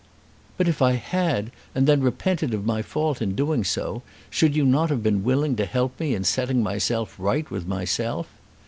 "But if I had, and then repented of my fault in doing so, should you not have been willing to help me in setting myself right with myself?